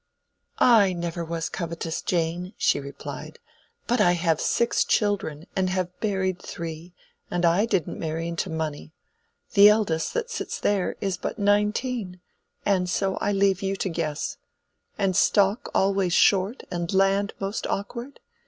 "I never was covetous, Jane," she replied; "but I have six children and have buried three, and I didn't marry into money. The eldest, that sits there, is but nineteen—so I leave you to guess. And stock always short, and land most awkward.